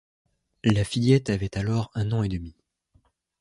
La fillette avait alors un an et demi.